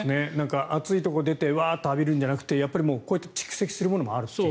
暑いところに出てワーッと浴びるんじゃなくてやっぱり蓄積するものもあるという。